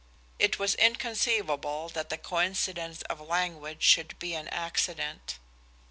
It was inconceivable that the coincidence of language should be an accident.